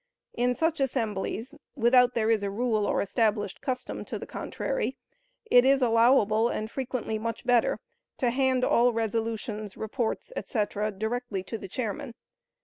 In such assemblies, without there is a rule or established custom to the contrary, it is allowable, and frequently much better, to hand all resolutions, reports, etc., directly to the chairman.